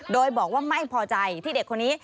โดยบอกว่าไม่พอใจที่เด็กคนนี้